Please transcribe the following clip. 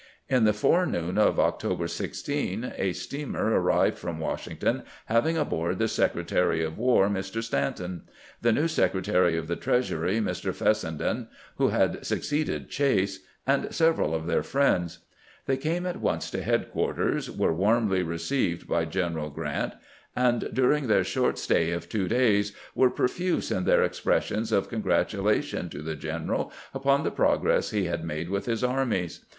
In the forenoon of October 16 a steamer arrived from Washington, having aboard the Secretary of War, Mr. Stanton; the new Secretary of the Treasury, Mr. Fes senden, who had succeeded Chase ; and several of their friends. They came at once to headquarters, were warmly received by Greneral Orant, and during their short stay of two days were profuse in their expressions of congratulation to the general upon the progress he had riiade with his armies.